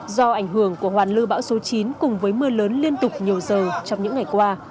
do ảnh hưởng của hoàn lưu bão số chín cùng với mưa lớn liên tục nhiều giờ trong những ngày qua